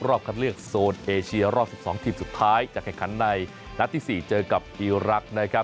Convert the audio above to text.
รอบคัดเลือกโซนเอเชียรอบ๑๒ทีมสุดท้ายจะแข่งขันในนัดที่๔เจอกับอีรักษ์นะครับ